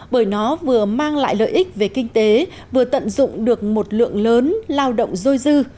bởi nó vừa mang lại lợi ích về kinh tế vừa tận dụng được một lượng lớn lao động dôi dư